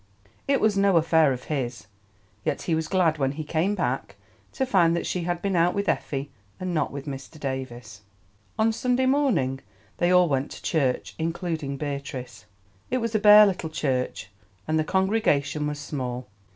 It was no affair of his, yet he was glad when he came back to find that she had been out with Effie, and not with Mr. Davies. On Sunday morning they all went to church, including Beatrice. It was a bare little church, and the congregation was small.